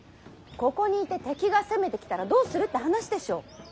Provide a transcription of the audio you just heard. ここにいて敵が攻めてきたらどうするって話でしょう。